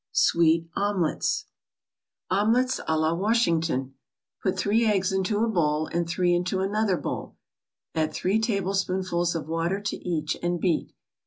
SWEET OMELETS OMELET A LA WASHINGTON Put three eggs into a bowl, and three into another bowl. Add three tablespoonfuls of water to each, and beat.